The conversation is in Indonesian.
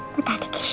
buat adik keisha